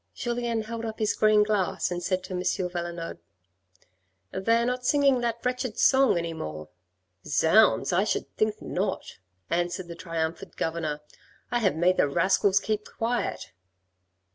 Julien held up his green glass and said to M. Valenod. " They are not singing that wretched song any more." "Zounds, I should think not," answered the triumphant governor. " I have made the rascals keep quiet."